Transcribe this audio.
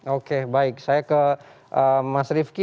oke baik saya ke mas rifki